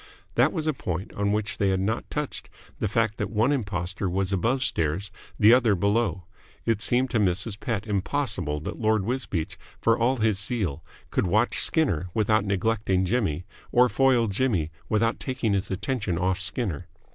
That was a point on which they had not touched, the fact that one impostor was above stairs, the other below. It seemed to Mrs. Pett impossible that Lord Wisbeach, for all his zeal, could watch Skinner without neglecting Jimmy or foil Jimmy without taking his attention off Skinner.